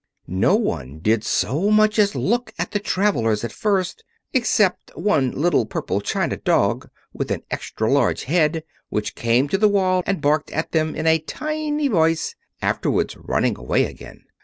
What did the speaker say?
No one did so much as look at the travelers at first, except one little purple china dog with an extra large head, which came to the wall and barked at them in a tiny voice, afterwards running away again.